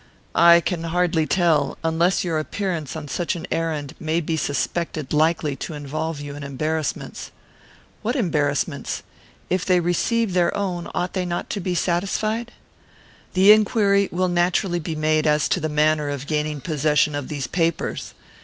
"I can hardly tell, unless your appearance on such an errand may be suspected likely to involve you in embarrassments." "What embarrassments? If they receive their own, ought they not to be satisfied?" "The inquiry will naturally be made as to the manner of gaining possession of these papers.